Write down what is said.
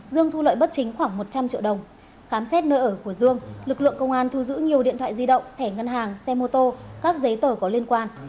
dương thu lợi bất chính khoảng một trăm linh triệu đồng khám xét nơi ở của dương lực lượng công an thu giữ nhiều điện thoại di động thẻ ngân hàng xe mô tô các giấy tờ có liên quan